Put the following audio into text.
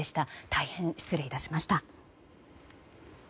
大変失礼いたしました。